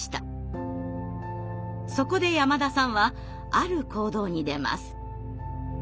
そこで山田さんはある行動に出ます。